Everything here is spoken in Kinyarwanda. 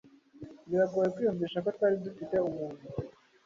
biragoye kwiyumvisha ko twari dufite umuntu